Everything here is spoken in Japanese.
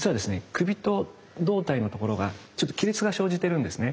首と胴体のところがちょっと亀裂が生じてるんですね。